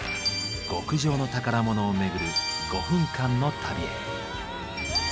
極上の宝物をめぐる５分間の旅へ。